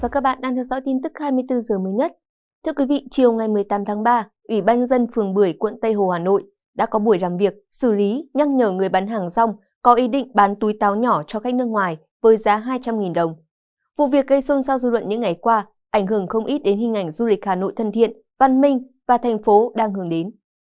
các bạn hãy đăng ký kênh để ủng hộ kênh của chúng mình nhé